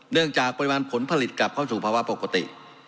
จากปริมาณผลผลิตกลับเข้าสู่ภาวะปกติ